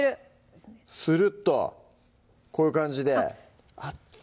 するっとこういう感じであっつ！